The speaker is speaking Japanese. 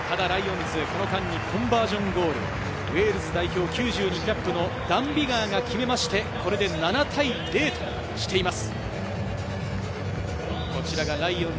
コンバージョンゴール、ウェールズ代表９２キャップのダン・ビガーが決めまして、これで７対０としています。